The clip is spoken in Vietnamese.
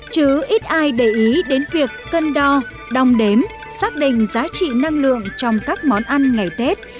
chứ ít ai để ý đến việc cân đo đong đếm xác định giá trị năng lượng trong các món ăn ngày tết